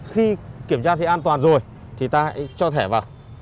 khi kiểm tra thì an toàn rồi thì ta hãy cho thẻ vào